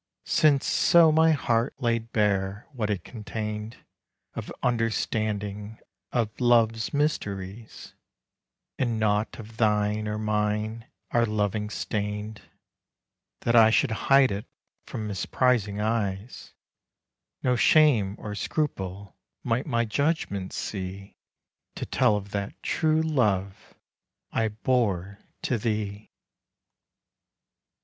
Since so my heart laid bare what it contain'd Of understanding of love's mysteries, And nought of thine or mine our loving stain'd, That I should hide it from misprising eyes, No shame or scruple might my judgement see To tell of that true love I bore to thee.